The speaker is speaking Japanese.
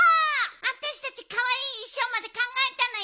あたしたちかわいいいしょうまでかんがえたのよ。